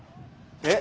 え？